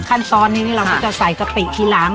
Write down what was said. ขั้นตอนนี้เราก็จะใส่กะปิทีหลัง